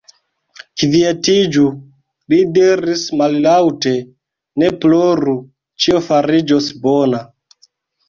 Kvietiĝu! li diris mallaŭte, ne ploru, ĉio fariĝos bona.